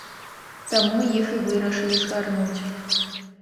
Таму іх і вырашылі згарнуць.